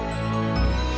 biar ada di